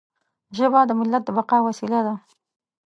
ژبه د ملت د بقا وسیله ده.